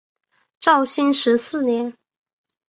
绍兴十四年。